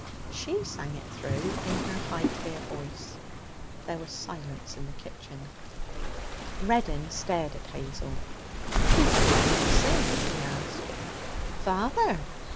She sang it through in her high clear voice. There was silence in the kitchen. Reddin stared at Hazel. 'Who taught you to sing?' he asked. 'Father.